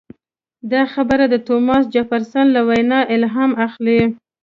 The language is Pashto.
دا خبره د توماس جفرسن له وینا الهام اخلي.